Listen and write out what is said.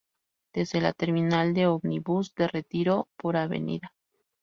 Desde la Terminal de Ómnibus de Retiro por Av.